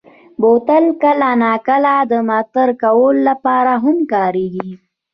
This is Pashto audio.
بوتل کله ناکله د معطر کولو لپاره هم کارېږي.